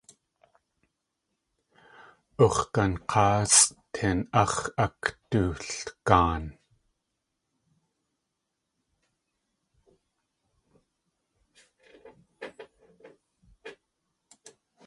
Ux̲gank̲áasʼ tin áx̲ akdulgaan.